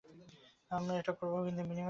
আমি এটা ওটা করব, কিন্তু বিনিময়ে কি পাবো?